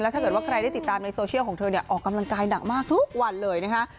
ถ้าเกิดว่าใครได้ติดตามในโซเชียลของเธอเนี่ยออกกำลังกายหนักมากทุกวันเลยนะคะ